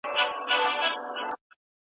ادبي محفلونو کي یې شعرونه لوستل .